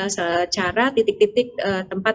secara titik titik tempat